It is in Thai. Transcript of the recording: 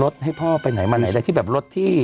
ให้พ่อไปไหนมาไหนอะไรที่แบบรถที่